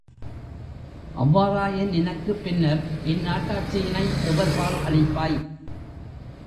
அவ்வாறாயின், நினக்குப் பின்னர், இந்நாட்டாட்சியினை எவர்பால் அளிப்பாய்!